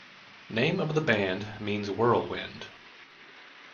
Name of the band means "whirlwind".